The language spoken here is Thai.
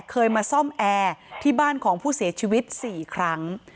เคยมาซ่อมแอร์ที่บ้านของผู้เสียชีวิต๔ครั้ง